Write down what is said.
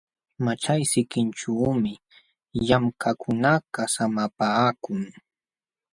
Maćhay sikinćhuumi llamkaqkunakaq samapaakun.